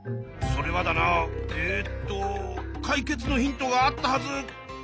それはだなえっと解決のヒントがあったはず。